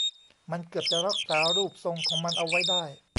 มันเกือบจะรักษารูปทรงของมันเอาไว้ได้